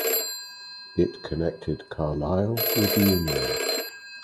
It connected Carlisle with Union.